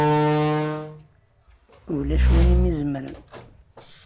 Ulac win i m-izemren!